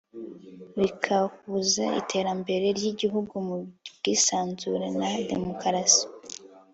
bikabuza iterambere ry'igihugu mu bwisanzure na demokarasi